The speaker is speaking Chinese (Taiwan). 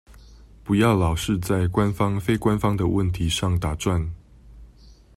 不要老是在官方非官方的問題上打轉